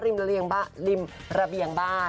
จะได้อยู่ริมระเบียงบ้าน